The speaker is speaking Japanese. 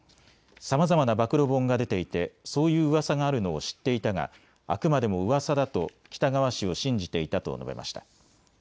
さまざまな暴露本が出ていて、そういううわさがあるのを知っていたが、あくまでもうわさだと、喜多川氏を信じていたと述べました。